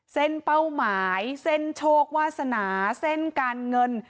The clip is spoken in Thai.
เป้าหมายเส้นโชควาสนาเส้นการเงิน